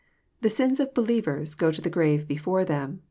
The sins of unbelievers go to th ejgrave with them."